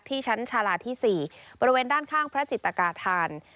ชั้นชาลาที่๔บริเวณด้านข้างพระจิตกาธาน